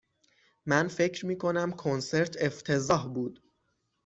من فکر می کنم کنسرت افتضاح بود.